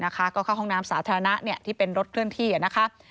ก็เข้าห้องน้ำสาธารณะที่เป็นรถเคลื่อนที่นะคะ